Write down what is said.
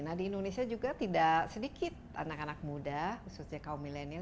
nah di indonesia juga tidak sedikit anak anak muda khususnya kaum milenial